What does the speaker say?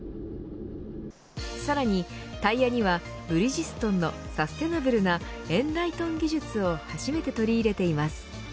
さらにタイヤにはブリヂストンのサステナブルなＥＮＬＩＴＥＮ技術を初めて取り入れています。